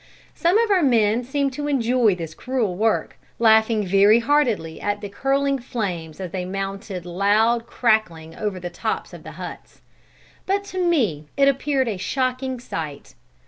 "Some of our men seemed to enjoy this cruel work, laughing very heartily at the curling flames as they mounted loud crackling over the tops of the huts. But to me it appeared a shocking sight.